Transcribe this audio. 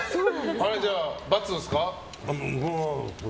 じゃあ×ですか。